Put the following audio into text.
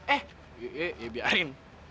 eh eh eh biarin